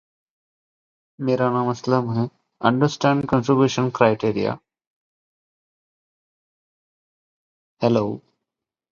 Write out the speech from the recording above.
Every year at the start of July Ainsdale Horticultural Society hold a village show.